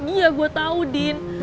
iya gua tau din